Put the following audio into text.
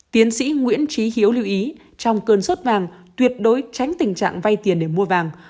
tiến sĩ nguyễn trí hiếu lưu ý trong cơn sốt vàng tuyệt đối tránh tình trạng vay tiền để mua vàng